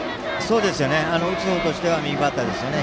打つ方としては右バッターですよね。